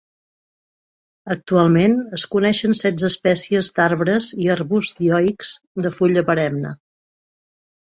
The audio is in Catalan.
Actualment, es coneixen setze espècies d'arbres i arbusts dioics de fulla perenne.